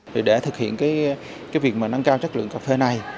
thì để thực hiện cái việc mà nâng cao chất lượng cà phê này